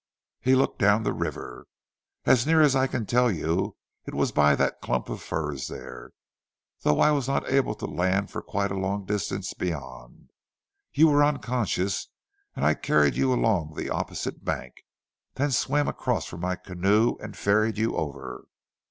He looked down the river. "As near as I can tell you, it was by that clump of firs there; though I was not able to land for quite a long distance beyond. You were unconscious, and I carried you along the opposite bank, then swam across for my canoe and ferried you over.